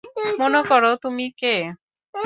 মনে করো তুমি কে।